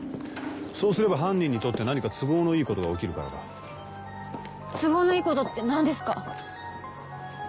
そうすれば犯人にとって何か都合のいいことが起きるからだ都合のいいことって何ですか？